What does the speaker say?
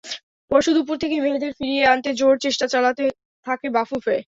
পরশু দুপুর থেকেই মেয়েদের ফিরিয়ে আনতে জোর চেষ্টা চালাতে থাকে বাফুফে।